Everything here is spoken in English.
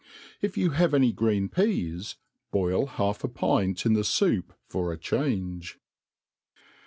If you have any green peas, boil half 4 pint in the foup for change.